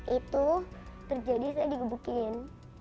itu terjadi saya digebukin